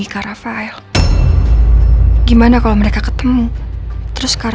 gua harus kasih tau matteo nih buat secepatnya pergi dari jakarta